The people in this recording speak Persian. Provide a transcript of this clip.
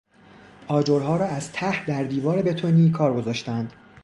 آجرها را از ته در دیوار بتونی کار گذاشتهاند.